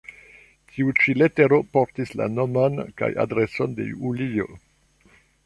Tiu ĉi letero portis la nomon kaj adreson de Julio.